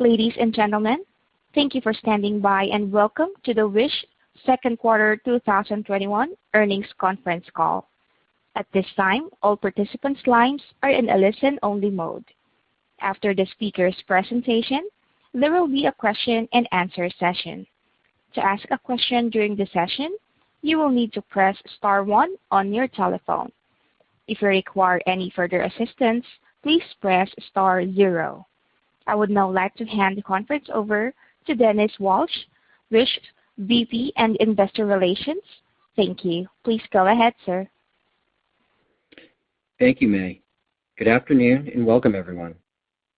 Ladies and gentlemen, thank you for standing by, and welcome to the Wish second quarter 2021 earnings conference call. At this time all participant lines are in the listen only mode. After the speakers presentation, there will be a Q&A session. To ask a question during the session, you will need to press star one on your telephone. If you require any further assistance, please press star zero. I would now like to hand the conference over to Dennis Walsh, Wish’s VP and Investor Relations. Thank you. Please go ahead, sir. Thank you, Mini. Good afternoon, and welcome everyone.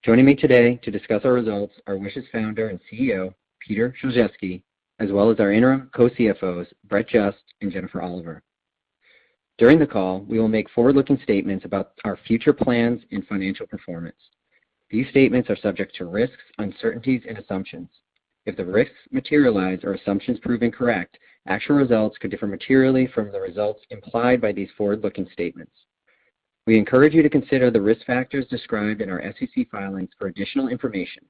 Joining me today to discuss our results are Wish's founder and CEO, Piotr Szulczewski, as well as our Interim Co-CFOs, Brett Just and Jennifer Oliver. During the call, we will make forward-looking statements about our future plans and financial performance. These statements are subject to risks, uncertainties and assumptions. If the risks materialize or assumptions prove incorrect, actual results could differ materially from the results implied by these forward-looking statements. We encourage you to consider the risk factors described in our SEC filings for additional information.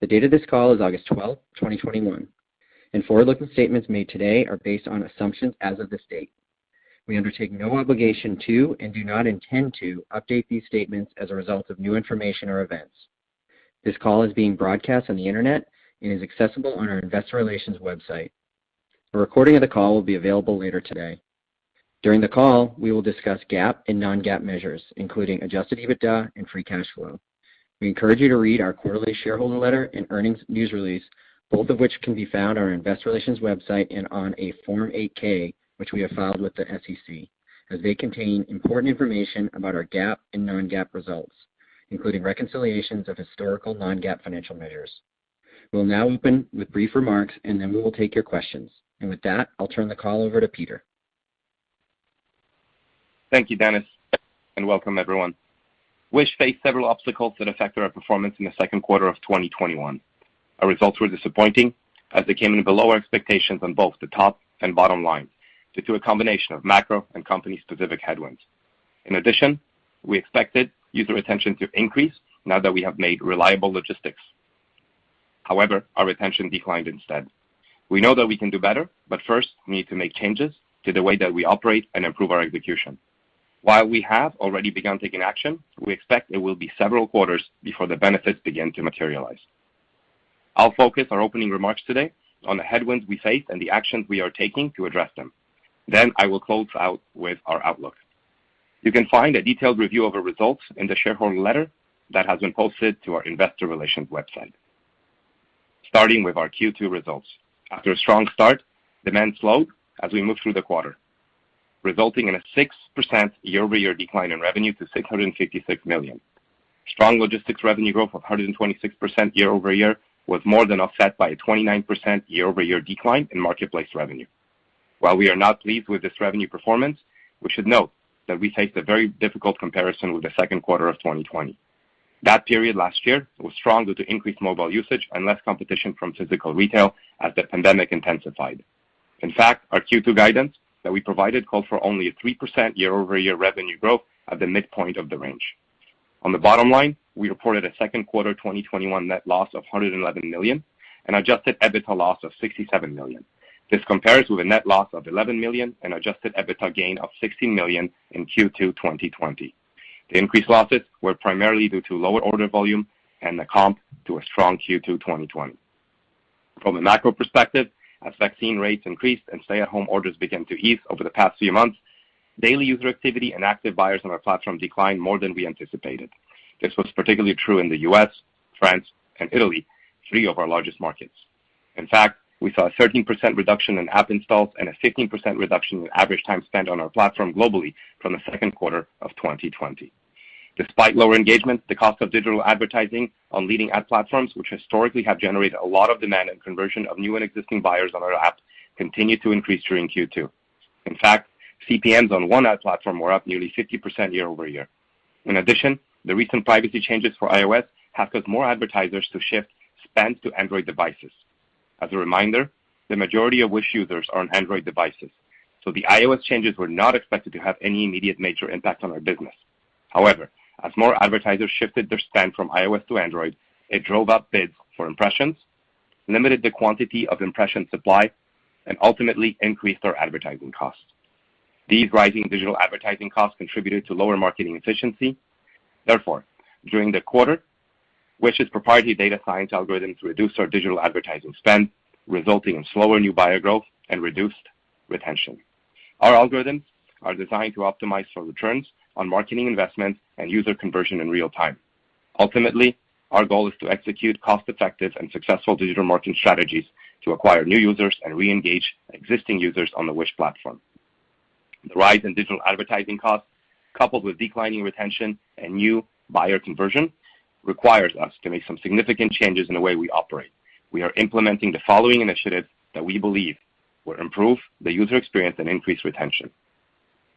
The date of this call is August 12, 2021, and forward-looking statements made today are based on assumptions as of this date. We undertake no obligation to and do not intend to update these statements as a result of new information or events. This call is being broadcast on the Internet and is accessible on our investor relations website. A recording of the call will be available later today. During the call, we will discuss GAAP and non-GAAP measures, including adjusted EBITDA and free cash flow. We encourage you to read our quarterly shareholder letter and earnings news release, both of which can be found on our investor relations website and on a Form 8-K, which we have filed with the SEC, as they contain important information about our GAAP and non-GAAP results, including reconciliations of historical non-GAAP financial measures. We'll now open with brief remarks, and then we will take your questions. With that, I'll turn the call over to Piotr. Thank you, Dennis, and welcome everyone. Wish faced several obstacles that affected our performance in the second quarter of 2021. Our results were disappointing as they came in below our expectations on both the top and bottom line due to a combination of macro and company-specific headwinds. In addition, we expected user retention to increase now that we have made reliable logistics. However, our retention declined instead. We know that we can do better, but first, we need to make changes to the way that we operate and improve our execution. While we have already begun taking action, we expect it will be several quarters before the benefits begin to materialize. I'll focus our opening remarks today on the headwinds we face and the actions we are taking to address them. I will close out with our outlook. You can find a detailed review of the results in the shareholder letter that has been posted to our investor relations website. Starting with our Q2 results. After a strong start, demand slowed as we moved through the quarter, resulting in a 6% year-over-year decline in revenue to $656 million. Strong logistics revenue growth of 126% year-over-year was more than offset by a 29% year-over-year decline in marketplace revenue. While we are not pleased with this revenue performance, we should note that we faced a very difficult comparison with the second quarter of 2020. That period last year was strong due to increased mobile usage and less competition from physical retail as the pandemic intensified. In fact, our Q2 guidance that we provided called for only a 3% year-over-year revenue growth at the midpoint of the range. On the bottom line, we reported a second quarter 2021 net loss of $111 million and adjusted EBITDA loss of $67 million. This compares with a net loss of $11 million and adjusted EBITDA gain of $16 million in Q2 2020. The increased losses were primarily due to lower order volume and the comp to a strong Q2 2021. From a macro perspective, as vaccine rates increased and stay-at-home orders began to ease over the past few months, daily user activity and active buyers on our platform declined more than we anticipated. This was particularly true in the U.S., France, and Italy, three of our largest markets. In fact, we saw a 13% reduction in app installs and a 15% reduction in average time spent on our platform globally from the second quarter of 2020. Despite lower engagement, the cost of digital advertising on leading ad platforms, which historically have generated a lot of demand and conversion of new and existing buyers on our apps, continued to increase during Q2. In fact, CPMs on one ad platform were up nearly 50% year-over-year. In addition, the recent privacy changes for iOS have caused more advertisers to shift spend to Android devices. As a reminder, the majority of Wish users are on Android devices, the iOS changes were not expected to have any immediate major impact on our business. However, as more advertisers shifted their spend from iOS to Android, it drove up bids for impressions, limited the quantity of impression supply, and ultimately increased our advertising costs. These rising digital advertising costs contributed to lower marketing efficiency. Therefore, during the quarter, Wish's proprietary data science algorithms reduced our digital advertising spend, resulting in slower new buyer growth and reduced retention. Our algorithms are designed to optimize for returns on marketing investments and user conversion in real time. Ultimately, our goal is to execute cost-effective and successful digital marketing strategies to acquire new users and reengage existing users on the Wish platform. The rise in digital advertising costs, coupled with declining retention and new buyer conversion, requires us to make some significant changes in the way we operate. We are implementing the following initiatives that we believe will improve the user experience and increase retention.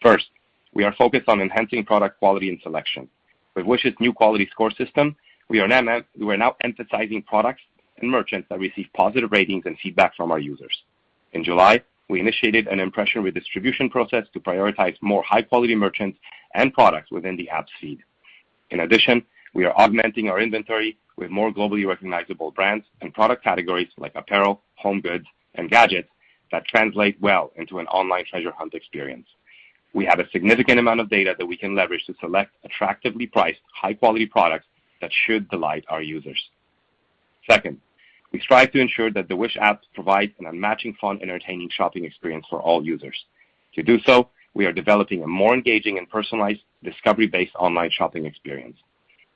First, we are focused on enhancing product quality and selection. With Wish's new quality score system, we are now emphasizing products and merchants that receive positive ratings and feedback from our users. In July, we initiated an impression redistribution process to prioritize more high-quality merchants and products within the app feed. In addition, we are augmenting our inventory with more globally recognizable brands and product categories like apparel, home goods, and gadgets that translate well into an online treasure hunt experience. We have a significant amount of data that we can leverage to select attractively priced, high-quality products that should delight our users. Second, we strive to ensure that the Wish app provides an unmatched fun, entertaining shopping experience for all users. To do so, we are developing a more engaging and personalized discovery-based online shopping experience.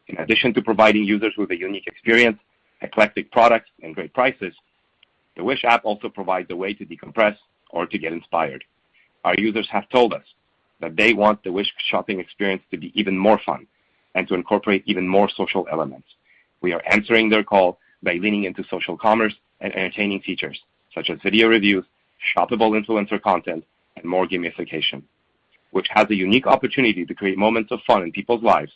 In addition to providing users with a unique experience, eclectic products, and great prices, the Wish app also provides a way to decompress or to get inspired. Our users have told us that they want the Wish shopping experience to be even more fun and to incorporate even more social elements. We are answering their call by leaning into social commerce and entertaining features such as video reviews, shoppable influencer content, and more gamification, which has a unique opportunity to create moments of fun in people's lives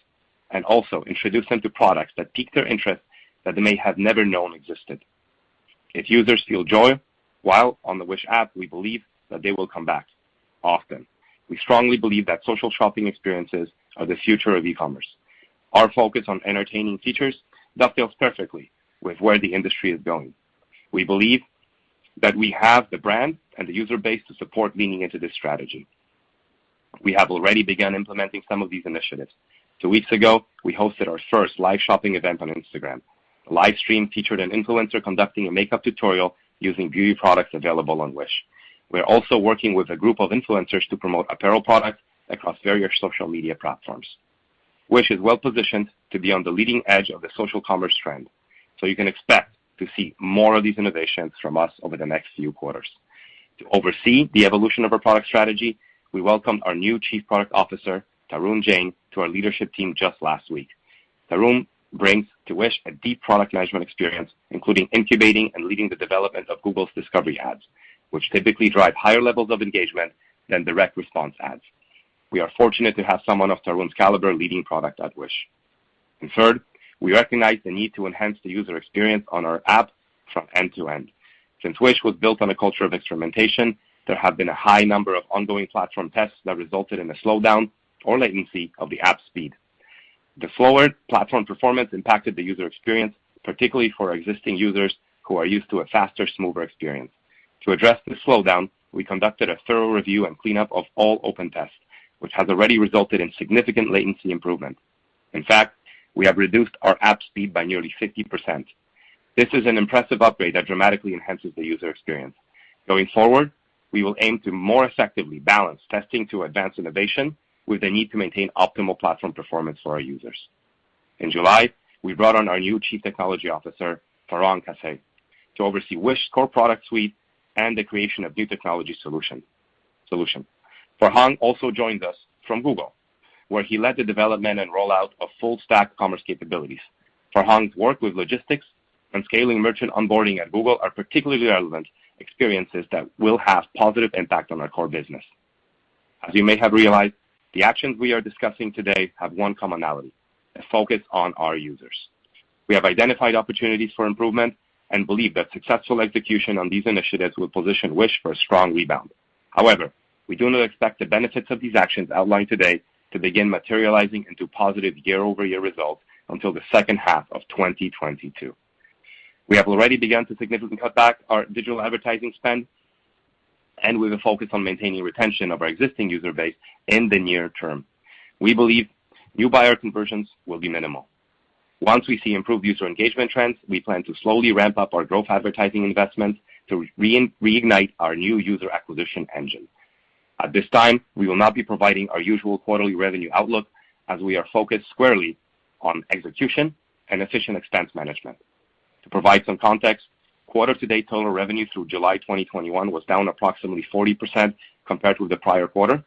and also introduce them to products that pique their interest that they may have never known existed. If users feel joy while on the Wish app, we believe that they will come back often. We strongly believe that social shopping experiences are the future of e-commerce. Our focus on entertaining features that fits perfectly with where the industry is going. We believe that we have the brand and the user base to support leaning into this strategy. We have already begun implementing some of these initiatives. Two weeks ago, we hosted our first live shopping event on Instagram. A live stream featured an influencer conducting a makeup tutorial using beauty products available on Wish. We're also working with a group of influencers to promote apparel products across various social media platforms. You can expect to see more of these innovations from us over the next few quarters. To oversee the evolution of our product strategy, we welcomed our new Chief Product Officer, Tarun Jain, to our leadership team just last week. Tarun brings to Wish a deep product management experience, including incubating and leading the development of Google's Discovery Ads, which typically drive higher levels of engagement than direct response ads. We are fortunate to have someone of Tarun's caliber leading product at Wish. Third, we recognize the need to enhance the user experience on our app from end to end. Since Wish was built on a culture of experimentation, there have been a high number of ongoing platform tests that resulted in a slowdown or latency of the app speed. The slower platform performance impacted the user experience, particularly for existing users who are used to a faster, smoother experience. To address this slowdown, we conducted a thorough review and cleanup of all open tests, which has already resulted in significant latency improvements. In fact, we have reduced our app speed by nearly 50%. This is an impressive upgrade that dramatically enhances the user experience. Going forward, we will aim to more effectively balance testing to advance innovation with the need to maintain optimal platform performance for our users. In July, we brought on our new Chief Technology Officer, Farhang Kassaei, to oversee Wish core product suite and the creation of new technology solution. Farhang also joined us from Google, where he led the development and rollout of full-stack commerce capabilities. Farhang's work with logistics and scaling merchant onboarding at Google are particularly relevant experiences that will have positive impact on our core business. As you may have realized, the actions we are discussing today have one commonality, a focus on our users. We have identified opportunities for improvement and believe that successful execution on these initiatives will position Wish for a strong rebound. However, we do not expect the benefits of these actions outlined today to begin materializing into positive year-over-year results until the second half of 2022. We have already begun to significantly cut back our digital advertising spend, and with a focus on maintaining retention of our existing user base in the near term. We believe new buyer conversions will be minimal. Once we see improved user engagement trends, we plan to slowly ramp up our growth advertising investments to reignite our new user acquisition engine. At this time, we will not be providing our usual quarterly revenue outlook as we are focused squarely on execution and efficient expense management. To provide some context, quarter to date, total revenue through July 2021 was down approximately 40% compared with the prior quarter,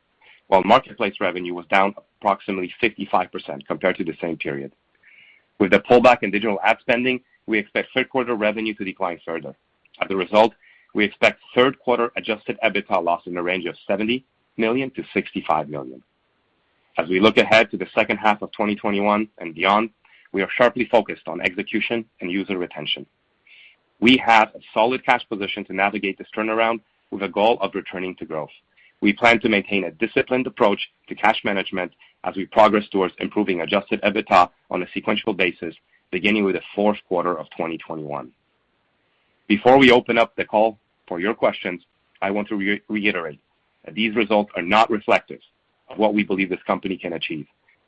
while marketplace revenue was down approximately 55% compared to the same period. With the pullback in digital ad spending, we expect third quarter revenue to decline further. As a result, we expect third quarter adjusted EBITDA loss in the range of $70 million-$65 million. As we look ahead to the second half of 2021 and beyond, we are sharply focused on execution and user retention. We have a solid cash position to navigate this turnaround with a goal of returning to growth. We plan to maintain a disciplined approach to cash management as we progress towards improving adjusted EBITDA on a sequential basis, beginning with the fourth quarter of 2021. Before we open up the call for your questions, I want to reiterate that these results are not reflective of what we believe this company can achieve.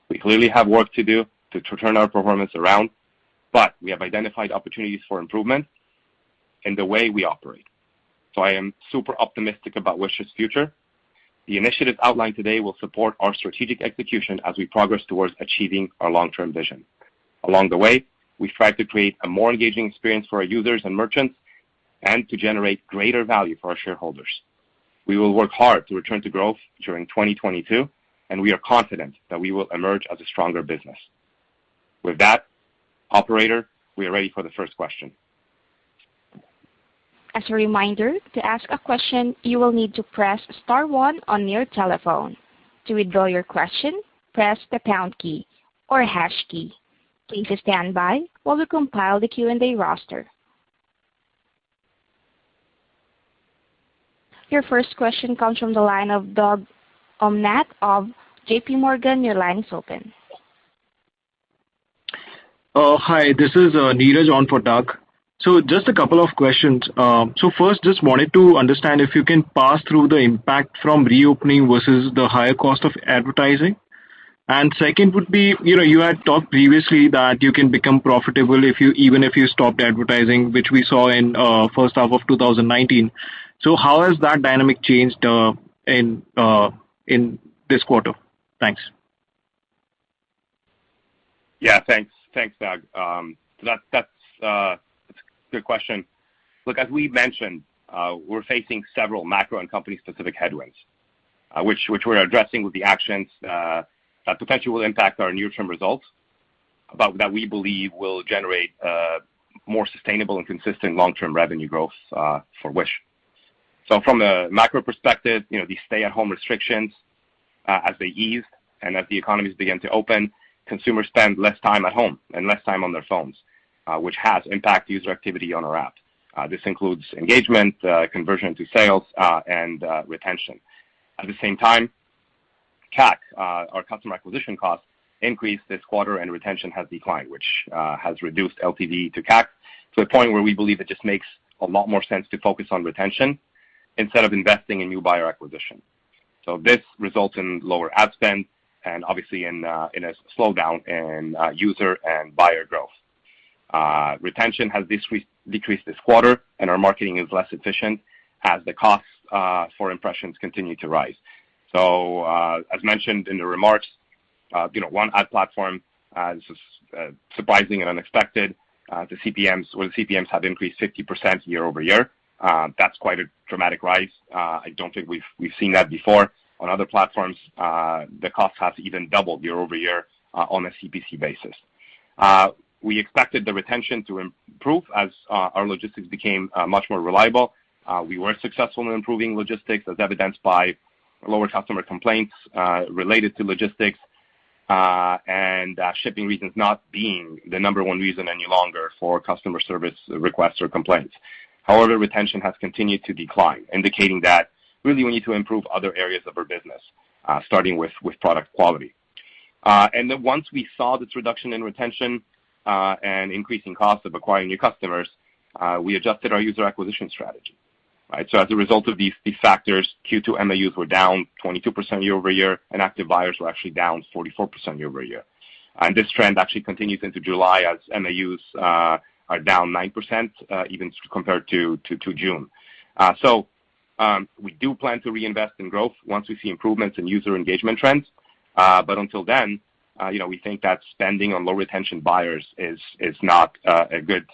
We clearly have work to do to turn our performance around, but we have identified opportunities for improvement in the way we operate. I am super optimistic about Wish's future. The initiatives outlined today will support our strategic execution as we progress towards achieving our long-term vision. Along the way, we strive to create a more engaging experience for our users and merchants and to generate greater value for our shareholders. We will work hard to return to growth during 2022, and we are confident that we will emerge as a stronger business. With that, operator, we are ready for the first question. As a reminder, to ask your question, you will need to press star one on your telephone. To withdraw your question, press the pound key or hash key. Please just stand by while we compile the Q&A roster. Your first question comes from the line of Doug Anmuth of JPMorgan. Your line is open. Hi, this is Neeraj on for Doug. Just a couple of questions. First, just wanted to understand if you can pass through the impact from reopening versus the higher cost of advertising. Second would be, you had talked previously that you can become profitable even if you stopped advertising, which we saw in first half of 2019. How has that dynamic changed in this quarter? Thanks. Thanks. Thanks, Doug. That's a good question. Look, as we mentioned, we're facing several macro and company-specific headwinds, which we're addressing with the actions that potentially will impact our near-term results, but that we believe will generate more sustainable and consistent long-term revenue growth for Wish. From the macro perspective, the stay-at-home restrictions, as they ease and as the economies begin to open, consumers spend less time at home and less time on their phones, which has impacted user activity on our app. This includes engagement, conversion to sales, and retention. At the same time, CAC, our customer acquisition cost, increased this quarter and retention has declined, which has reduced LTV to CAC to a point where we believe it just makes a lot more sense to focus on retention instead of investing in new buyer acquisition. This results in lower ad spend and obviously in a slowdown in user and buyer growth. Retention has decreased this quarter, and our marketing is less efficient as the costs for impressions continue to rise. As mentioned in the remarks, one ad platform, this is surprising and unexpected. The CPMs have increased 50% year-over-year. That's quite a dramatic rise. I don't think we've seen that before. On other platforms, the cost has even doubled year-over-year, on a CPC basis. We expected the retention to improve as our logistics became much more reliable. We were successful in improving logistics as evidenced by lower customer complaints related to logistics, and shipping reasons not being the number 1 reason any longer for customer service requests or complaints. However, retention has continued to decline, indicating that really we need to improve other areas of our business, starting with product quality. Once we saw this reduction in retention, and increasing cost of acquiring new customers, we adjusted our user acquisition strategy. As a result of these factors, Q2 MAUs were down 22% year-over-year, and active buyers were actually down 44% year-over-year. This trend actually continues into July, as MAUs are down 9%, even compared to June. We do plan to reinvest in growth once we see improvements in user engagement trends. Until then, we think that spending on low-retention buyers is not a good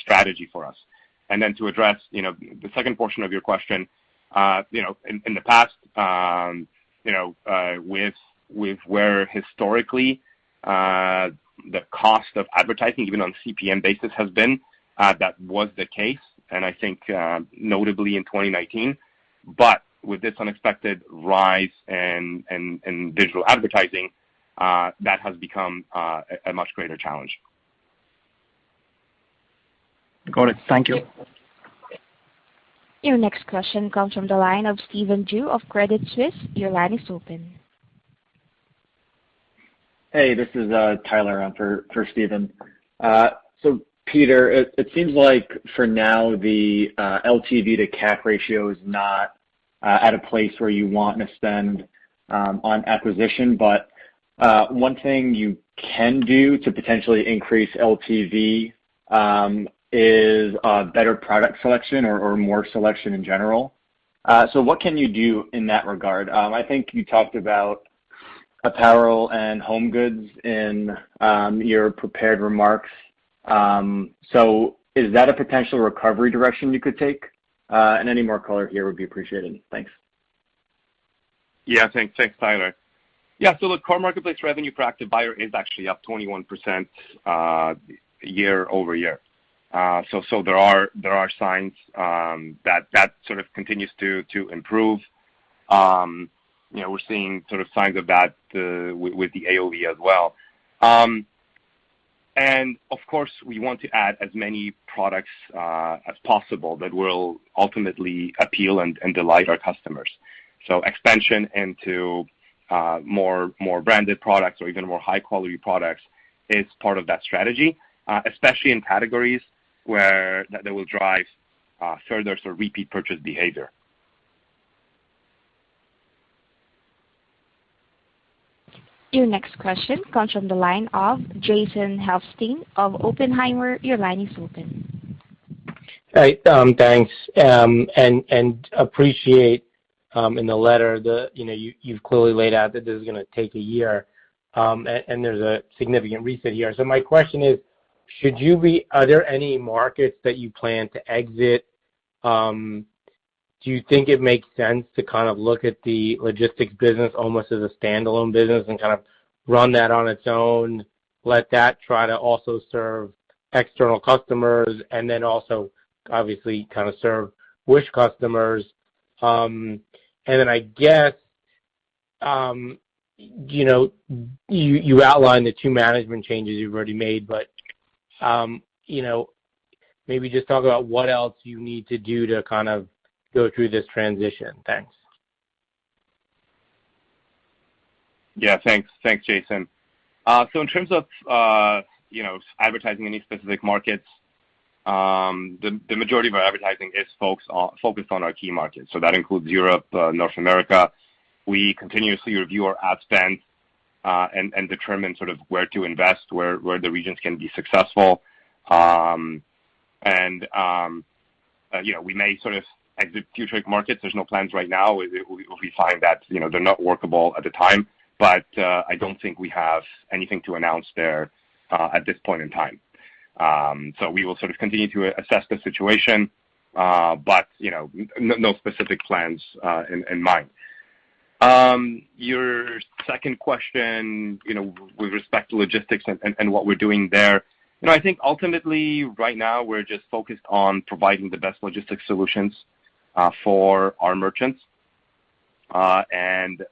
strategy for us. To address the second portion of your question. In the past, with where historically, the cost of advertising, even on a CPM basis, has been, that was the case, and I think notably in 2019. With this unexpected rise in digital advertising, that has become a much greater challenge. Got it. Thank you. Your next question comes from the line of Stephen Ju of Credit Suisse. Your line is open. Hey, this is Tyler on for Stephen. Piotr, it seems like for now the LTV to CAC ratio is not at a place where you want to spend on acquisition, but one thing you can do to potentially increase LTV is better product selection or more selection in general. What can you do in that regard? I think you talked about apparel and home goods in your prepared remarks. Is that a potential recovery direction you could take? Any more color here would be appreciated. Thanks. Thanks, Tyler. Look, core marketplace revenue per active buyer is actually up 21% year-over-year. There are signs that sort of continues to improve. We're seeing sort of signs of that with the AOV as well. Of course, we want to add as many products as possible that will ultimately appeal and delight our customers. Expansion into more branded products or even more high-quality products is part of that strategy, especially in categories where they will drive further sort of repeat purchase behavior. Your next question comes from the line of Jason Helfstein of Oppenheimer. Your line is open. Thanks. Appreciate in the letter that you've clearly laid out that this is going to take one year. There's a significant reset here. My question is, are there any markets that you plan to exit? Do you think it makes sense to look at the logistics business almost as a standalone business and run that on its own, let that try to also serve external customers, also obviously serve Wish customers? I guess, you outlined the two management changes you've already made. Maybe just talk about what else you need to do to go through this transition. Thanks. Thanks. Thanks, Jason. In terms of advertising any specific markets, the majority of our advertising is focused on our key markets. That includes Europe, North America. We continuously review our ad spend and determine sort of where to invest, where the regions can be successful. We may sort of exit few trade markets. There's no plans right now if we find that they're not workable at the time. I don't think we have anything to announce there at this point in time. We will sort of continue to assess the situation, but no specific plans in mind. Your second question, with respect to logistics and what we're doing there, I think ultimately right now we're just focused on providing the best logistics solutions for our merchants.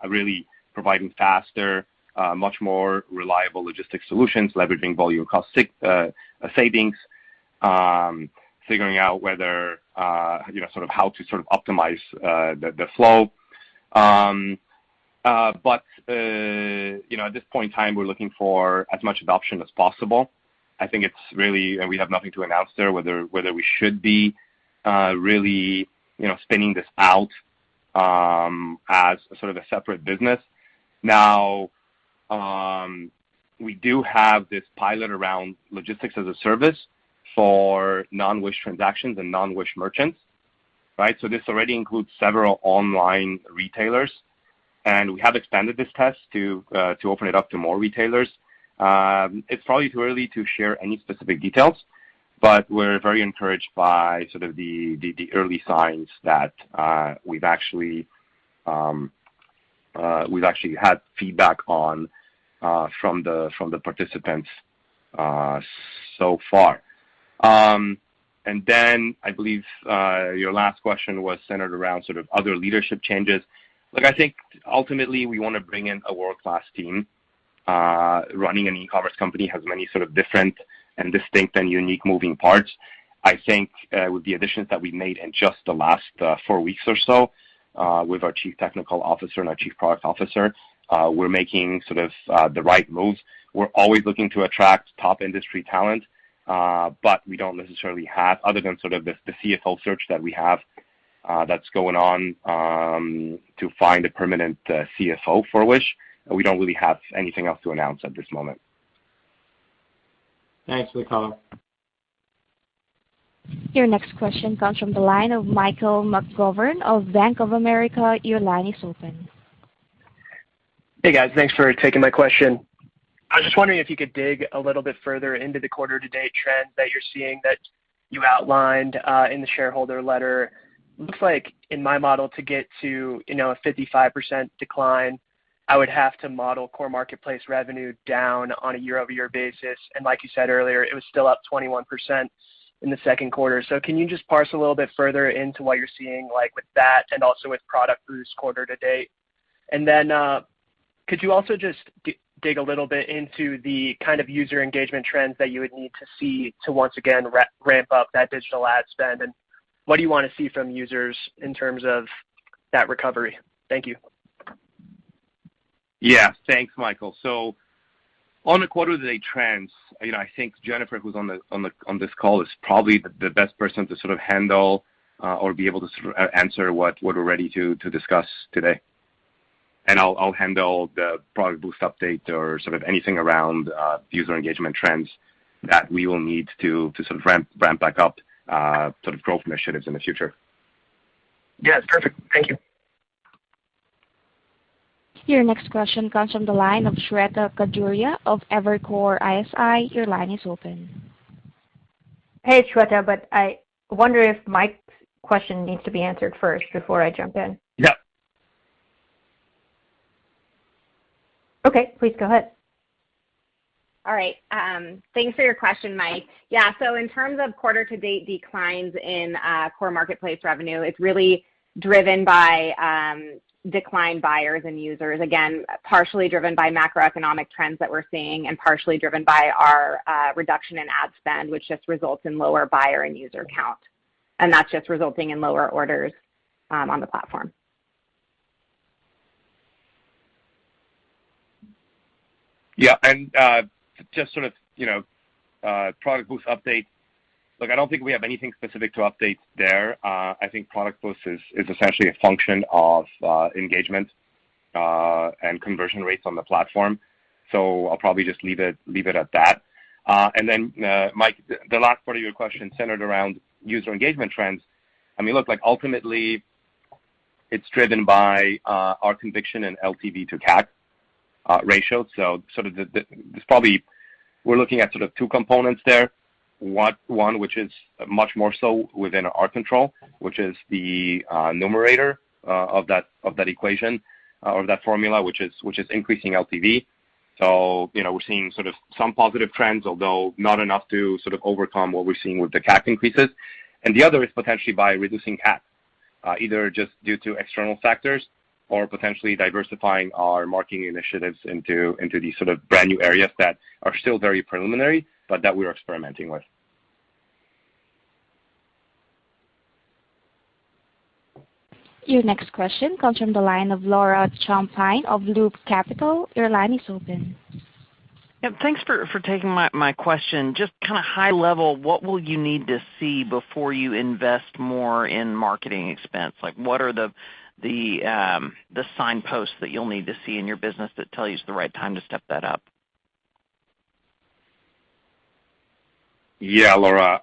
Really providing faster, much more reliable logistics solutions, leveraging volume cost savings, figuring out how to sort of optimize the flow. At this point in time, we're looking for as much adoption as possible. I think we have nothing to announce there, whether we should be really spinning this out as sort of a separate business. We do have this pilot around logistics as a service for non-Wish transactions and non-Wish merchants. Right? This already includes several online retailers, and we have expanded this test to open it up to more retailers. It's probably too early to share any specific details, but we're very encouraged by sort of the early signs that we've actually had feedback on from the participants so far. Then, I believe, your last question was centered around sort of other leadership changes. I think ultimately we want to bring in a world-class team. Running an e-commerce company has many sort of different and distinct and unique moving parts. With the additions that we've made in just the last four weeks or so, with our Chief Technology Officer and our Chief Product Officer, we're making sort of the right moves. We're always looking to attract top industry talent, but we don't necessarily have, other than sort of the CFO search that we have that's going on to find a permanent CFO for Wish. We don't really have anything else to announce at this moment. Thanks for the call. Your next question comes from the line of Michael McGovern of Bank of America. Your line is open. Hey, guys. Thanks for taking my question. I was just wondering if you could dig a little bit further into the quarter-to-date trends that you're seeing that you outlined in the shareholder letter. Looks like, in my model, to get to a 55% decline, I would have to model core marketplace revenue down on a year-over-year basis. Like you said earlier, it was still up 21% in the second quarter. Can you just parse a little bit further into what you're seeing with that and also with ProductBoost quarter-to-date? Could you also just dig a little bit into the kind of user engagement trends that you would need to see to once again ramp up that digital ad spend? What do you want to see from users in terms of that recovery? Thank you. Yeah. Thanks, Michael. On the quarter-to-date trends, I think Jennifer, who's on this call, is probably the best person to sort of handle or be able to answer what we're ready to discuss today. I'll handle the ProductBoost update or sort of anything around user engagement trends that we will need to sort of ramp back up sort of growth initiatives in the future. Yeah. Perfect. Thank you. Your next question comes from the line of Shweta Khajuria of Evercore ISI. Your line is open. Hey, Shweta, I wonder if Mike's question needs to be answered first before I jump in. Yeah. Okay, please go ahead. All right. Thanks for your question, Mike. Yeah, in terms of quarter-to-date declines in core marketplace revenue, it's really driven by declined buyers and users, again, partially driven by macroeconomic trends that we're seeing and partially driven by our reduction in ad spend, which just results in lower buyer and user count. That's just resulting in lower orders on the platform. Yeah. Just sort of ProductBoost update. Look, I don't think we have anything specific to update there. I think ProductBoost is essentially a function of engagement, and conversion rates on the platform. I'll probably just leave it at that. Mike, the last part of your question centered around user engagement trends. I mean, look, ultimately, it's driven by our conviction in LTV to CAC ratio. Sort of we're looking at sort of two components there. One which is much more so within our control, which is the numerator of that equation or that formula, which is increasing LTV. We're seeing sort of some positive trends, although not enough to sort of overcome what we're seeing with the CAC increases. The other is potentially by reducing CAC, either just due to external factors or potentially diversifying our marketing initiatives into these sort of brand-new areas that are still very preliminary, but that we're experimenting with. Your next question comes from the line of Laura Champine of Loop Capital. Your line is open. Yep. Thanks for taking my question. Just kind of high level, what will you need to see before you invest more in marketing expense? Like, what are the signposts that you'll need to see in your business that tell you it's the right time to step that up? Yeah, Laura.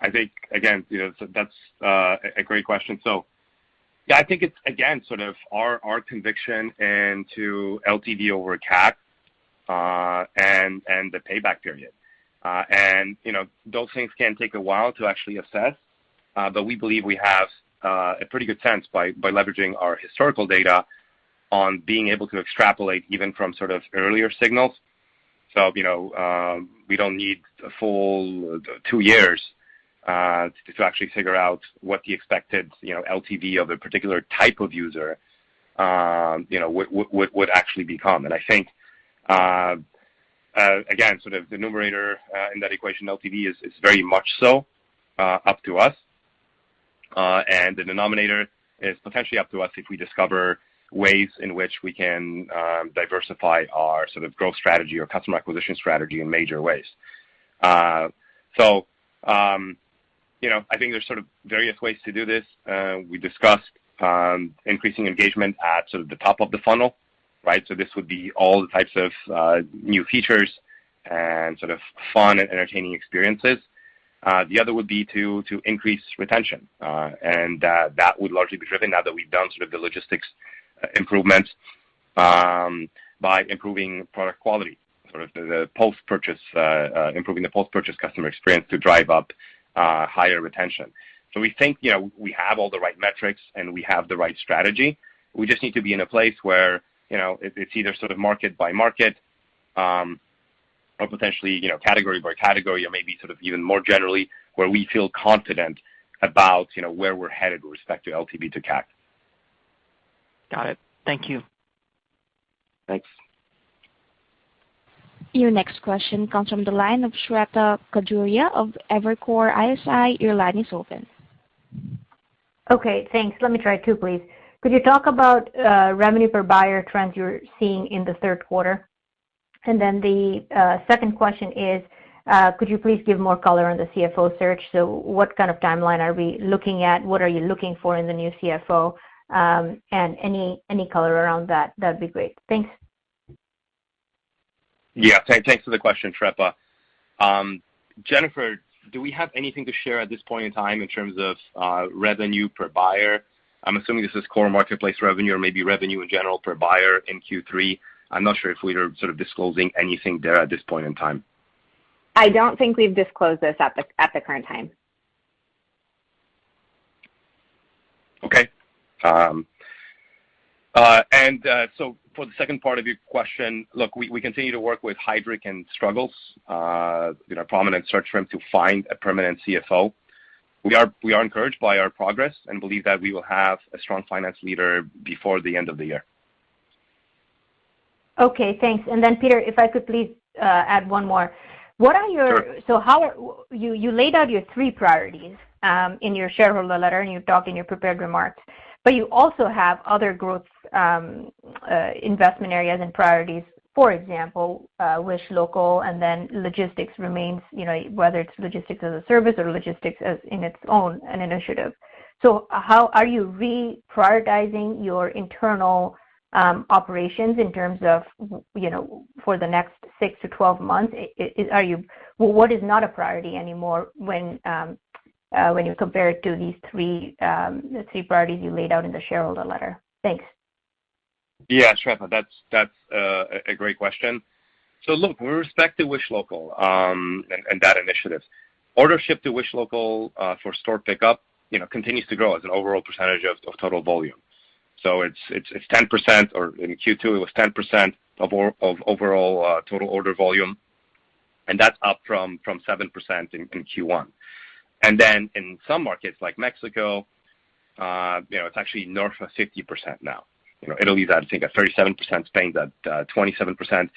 I think, again, that's a great question. Yeah, I think it's, again, sort of our conviction into LTV over CAC, and the payback period. Those things can take a while to actually assess, but we believe we have a pretty good sense by leveraging our historical data on being able to extrapolate even from sort of earlier signals. We don't need a full two years to actually figure out what the expected LTV of a particular type of user would actually become. I think, again, sort of the numerator in that equation, LTV, is very much so up to us. The denominator is potentially up to us if we discover ways in which we can diversify our sort of growth strategy or customer acquisition strategy in major ways. I think there's sort of various ways to do this. We discussed increasing engagement at sort of the top of the funnel, right? This would be all the types of new features and sort of fun and entertaining experiences. The other would be to increase retention, and that would largely be driven now that we've done sort of the logistics improvements, by improving product quality, sort of the post-purchase, improving the post-purchase customer experience to drive up higher retention. We think we have all the right metrics and we have the right strategy. We just need to be in a place where it's either sort of market by market, or potentially category by category or maybe sort of even more generally where we feel confident about where we're headed with respect to LTV to CAC. Got it. Thank you. Thanks. Your next question comes from the line of Shweta Khajuria of Evercore ISI. Your line is open. Okay, thanks. Let me try two, please. Could you talk about revenue per buyer trends you're seeing in the third quarter? The second question is, could you please give more color on the CFO search? What kind of timeline are we looking at? What are you looking for in the new CFO? Any color around that'd be great. Thanks. Thanks for the question, Shweta. Jennifer, do we have anything to share at this point in time in terms of revenue per buyer? I'm assuming this is core marketplace revenue or maybe revenue in general per buyer in Q3. I'm not sure if we're sort of disclosing anything there at this point in time. I don't think we've disclosed this at the current time. Okay. For the second part of your question, look, we continue to work with Heidrick & Struggles, a prominent search firm, to find a permanent CFO. We are encouraged by our progress and believe that we will have a strong finance leader before the end of the year. Okay, thanks. Piotr, if I could please add one more. Sure. You laid out your three priorities, in your shareholder letter, and you talked in your prepared remarks, but you also have other growth investment areas and priorities. For example, Wish Local and then logistics remains, whether it's logistics as a service or logistics as in its own, an initiative. Are you re-prioritizing your internal operations in terms of for the next six to 12 months? What is not a priority anymore when you compare it to these three priorities you laid out in the shareholder letter? Thanks. Yeah, Shweta, that's a great question. Look, we're respecting Wish Local and that initiative. Order ship to Wish Local for store pickup continues to grow as an overall percentage of total volume. In Q2 it was 10% of overall total order volume, and that's up from 7% in Q1. In some markets like Mexico, it's actually north of 50% now. Italy is I think at 37%, Spain's at 27%, and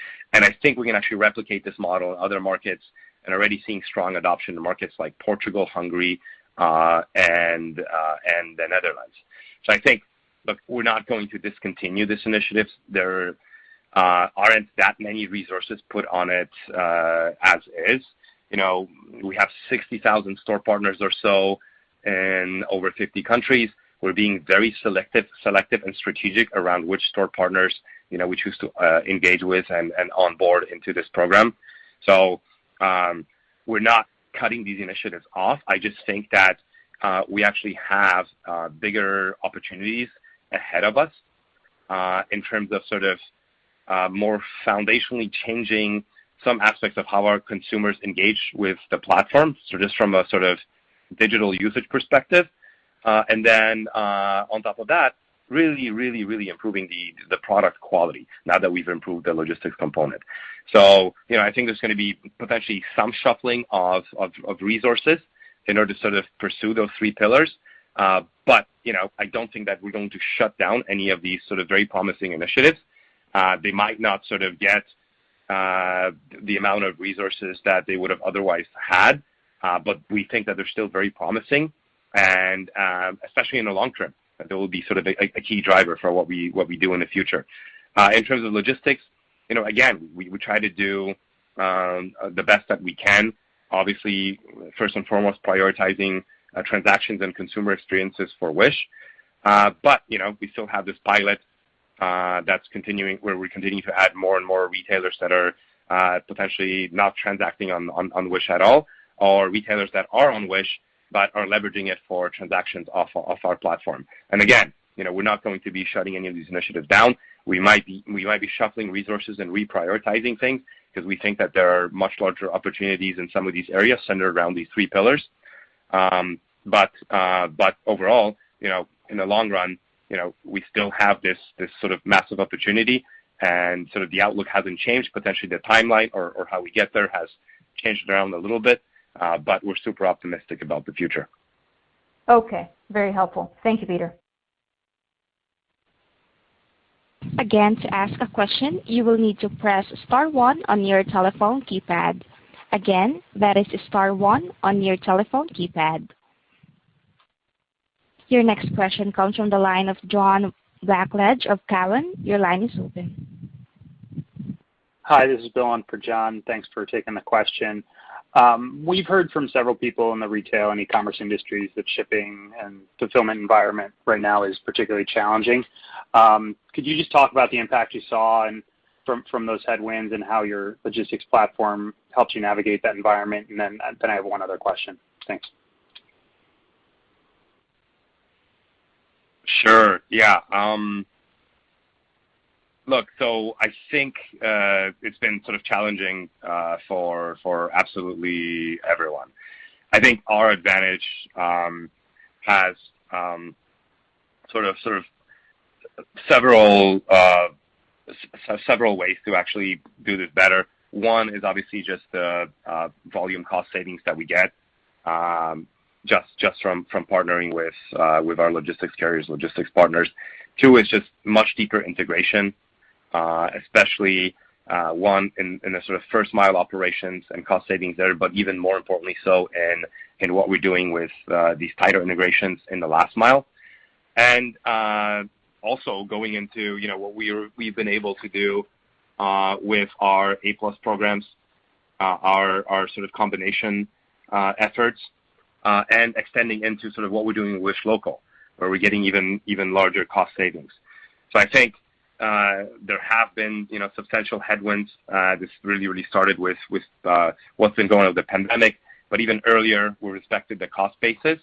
I think we can actually replicate this model in other markets and are already seeing strong adoption in markets like Portugal, Hungary, and the Netherlands. I think, look, we're not going to discontinue this initiative. There aren't that many resources put on it as is. We have 60,000 store partners or so in over 50 countries. We're being very selective and strategic around which store partners we choose to engage with and onboard into this program. We're not cutting these initiatives off. I just think that we actually have bigger opportunities ahead of us, in terms of sort of more foundationally changing some aspects of how our consumers engage with the platform. Just from a sort of digital usage perspective. Then on top of that, really improving the product quality now that we've improved the logistics component. I think there's going to be potentially some shuffling of resources in order to sort of pursue those three pillars. I don't think that we're going to shut down any of these sort of very promising initiatives. They might not sort of get the amount of resources that they would've otherwise had. We think that they're still very promising and, especially in the long term, they will be sort of a key driver for what we do in the future. In terms of logistics, again, we try to do the best that we can. Obviously, first and foremost, prioritizing transactions and consumer experiences for Wish. We still have this pilot where we're continuing to add more and more retailers that are potentially not transacting on Wish at all, or retailers that are on Wish but are leveraging it for transactions off our platform. Again, we're not going to be shutting any of these initiatives down. We might be shuffling resources and reprioritizing things because we think that there are much larger opportunities in some of these areas centered around these three pillars. Overall, in the long run, we still have this sort of massive opportunity and sort of the outlook hasn't changed. Potentially the timeline or how we get there has changed around a little bit. We're super optimistic about the future. Okay. Very helpful. Thank you, Piotr. Again, to ask a question, you will need to press star one on your telephone keypad. Your next question comes from the line of John Blackledge of Cowen. Your line is open. Hi, this is [Bill] in for John. Thanks for taking the question. We've heard from several people in the retail and e-commerce industries that shipping and fulfillment environment right now is particularly challenging. Could you just talk about the impact you saw from those headwinds and how your logistics platform helps you navigate that environment? Then I have one other question. Thanks. Sure. Yeah. Look, I think it's been sort of challenging for absolutely everyone. I think our advantage has sort of several ways to actually do this better. One is obviously just the volume cost savings that we get, just from partnering with our logistics carriers, logistics partners. Two is just much deeper integration, especially, one, in the sort of first-mile operations and cost savings there, but even more importantly so in what we're doing with these tighter integrations in the last mile. Also going into what we've been able to do with our A+ programs, our sort of combination efforts, and extending into sort of what we're doing with Wish Local, where we're getting even larger cost savings. I think there have been substantial headwinds. This really started with what's been going on with the pandemic, but even earlier with respect to the cost basis.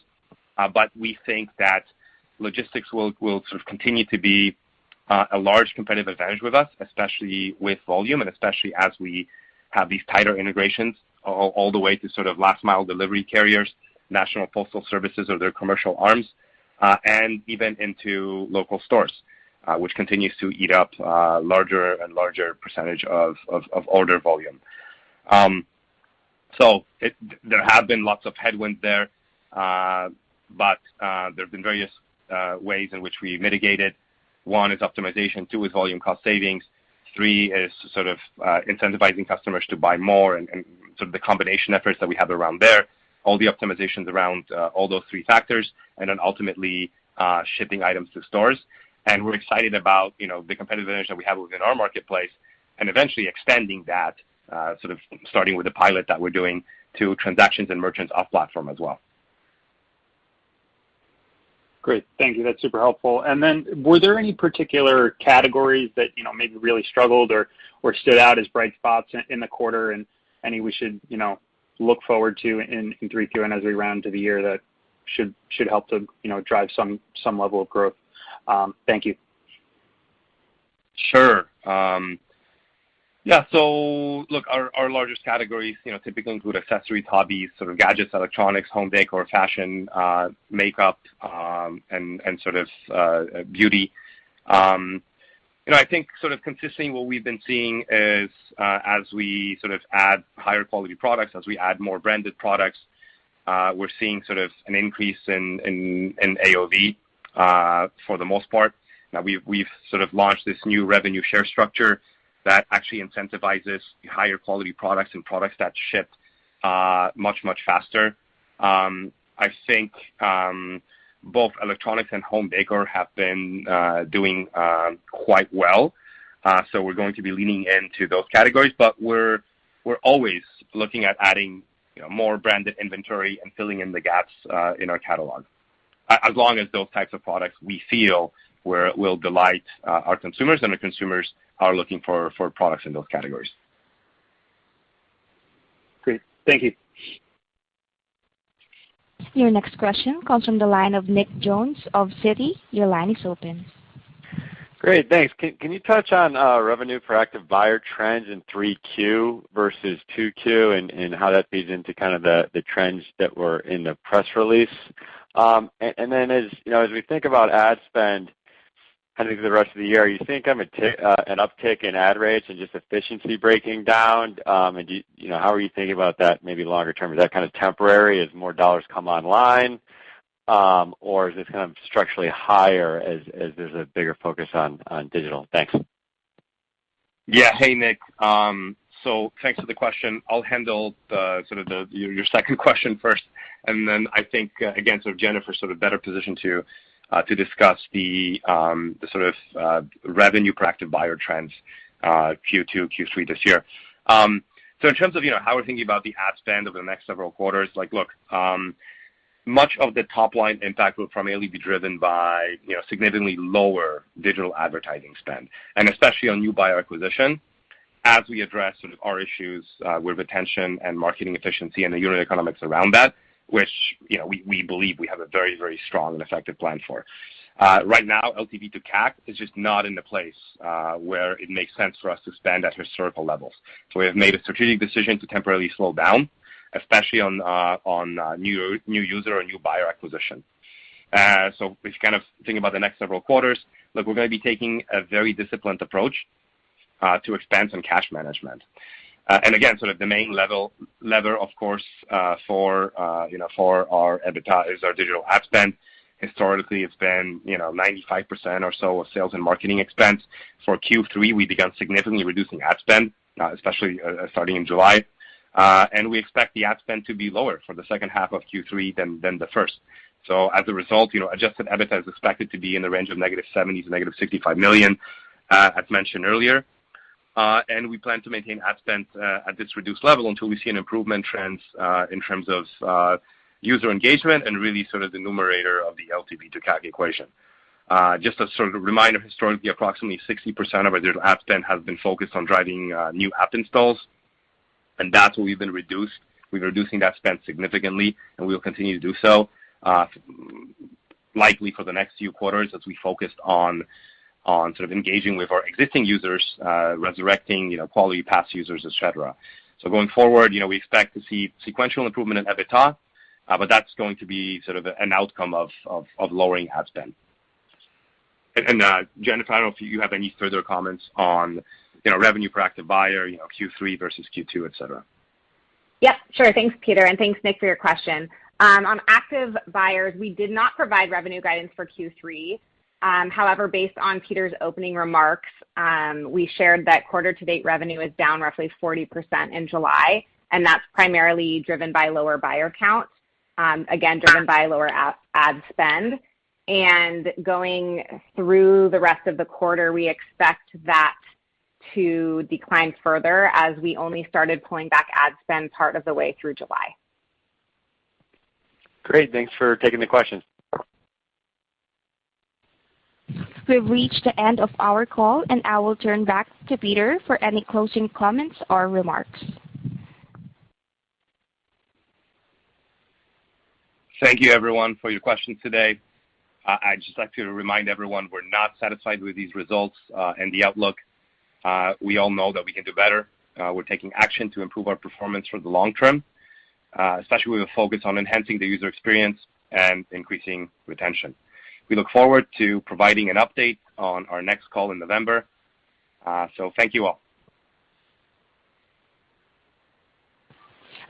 We think that logistics will sort of continue to be a large competitive advantage with us, especially with volume and especially as we have these tighter integrations all the way to sort of last-mile delivery carriers, national postal services or their commercial arms, and even into local stores, which continues to eat up a larger and larger % of order volume. There have been lots of headwinds there. There have been various ways in which we mitigate it. One is optimization, two is volume cost savings, three is sort of incentivizing customers to buy more and sort of the combination efforts that we have around there, all the optimizations around all those three factors, and then ultimately shipping items to stores. We're excited about the competitive advantage that we have within our marketplace and eventually extending that, sort of starting with the pilot that we're doing to transactions and merchants off-platform as well. Great. Thank you. That's super helpful. Were there any particular categories that maybe really struggled or stood out as bright spots in the quarter and any we should look forward to in Q3 as we round to the year that should help to drive some level of growth? Thank you. Sure. Yeah. Look, our largest categories typically include accessories, hobbies, sort of gadgets, electronics, home decor, fashion, makeup, and sort of beauty. I think sort of consistently what we've been seeing is, as we sort of add higher-quality products, as we add more branded products, we're seeing sort of an increase in AOV, for the most part. Now we've sort of launched this new revenue share structure that actually incentivizes higher-quality products and products that ship much faster. I think both electronics and home decor have been doing quite well. We're going to be leaning into those categories. We're always looking at adding more branded inventory and filling in the gaps in our catalog, as long as those types of products we feel will delight our consumers, and our consumers are looking for products in those categories. Great. Thank you. Your next question comes from the line of Nick Jones of Citi. Your line is open. Great. Thanks. Can you touch on revenue for active buyer trends in Q3 versus Q2 and how that feeds into the trends that were in the press release? As we think about ad spend heading through the rest of the year, you think an uptick in ad rates and just efficiency breaking down, how are you thinking about that maybe longer term? Is that kind of temporary as more dollars come online? Is this kind of structurally higher as there's a bigger focus on digital? Thanks. Yeah. Hey, Nick. Thanks for the question. I'll handle your second question first, and then I think, again, so Jennifer's sort of better positioned to discuss the sort of revenue per active buyer trends Q2, Q3 this year. In terms of how we're thinking about the ad spend over the next several quarters, look, much of the top line impact will primarily be driven by significantly lower digital advertising spend, and especially on new buyer acquisition as we address sort of our issues with retention and marketing efficiency and the unit economics around that, which we believe we have a very, very strong and effective plan for. Right now, LTV to CAC is just not in the place where it makes sense for us to spend at historical levels. We have made a strategic decision to temporarily slow down, especially on new user and new buyer acquisition. If you kind of think about the next several quarters, look, we're going to be taking a very disciplined approach to expense and cash management. Again, sort of the main lever, of course, for our EBITDA is our digital ad spend. Historically, it's been 95% or so of sales and marketing expense. For Q3, we began significantly reducing ad spend, especially starting in July. We expect the ad spend to be lower for the second half of Q3 than the first. As a result, adjusted EBITDA is expected to be in the range of negative $70 million to negative $65 million, as mentioned earlier. We plan to maintain ad spend at this reduced level until we see an improvement trends in terms of user engagement and really sort of the numerator of the LTV to CAC equation. Just a sort of reminder, historically, approximately 60% of our digital ad spend has been focused on driving new app installs, and that's what we've been reduced. We're reducing that spend significantly, and we will continue to do so likely for the next few quarters as we focus on sort of engaging with our existing users, resurrecting quality past users, et cetera. Going forward, we expect to see sequential improvement in EBITDA, but that's going to be sort of an outcome of lowering ad spend. Jennifer, I don't know if you have any further comments on revenue per active buyer, Q3 versus Q2, et cetera. Yep. Sure. Thanks, Piotr, and thanks, Nick, for your question. On active buyers, we did not provide revenue guidance for Q3. However, based on Piotr's opening remarks, we shared that quarter to date revenue is down roughly 40% in July, and that's primarily driven by lower buyer count, again, driven by lower ad spend. Going through the rest of the quarter, we expect that to decline further as we only started pulling back ad spend part of the way through July. Great. Thanks for taking the question. We've reached the end of our call, and I will turn back to Piotr for any closing comments or remarks. Thank you everyone for your questions today. I'd just like to remind everyone we're not satisfied with these results and the outlook. We all know that we can do better. We're taking action to improve our performance for the long term, especially with a focus on enhancing the user experience and increasing retention. We look forward to providing an update on our next call in November. Thank you all.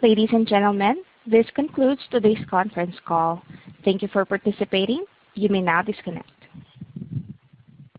Ladies and gentlemen, this concludes today's conference call. Thank you for participating. You may now disconnect.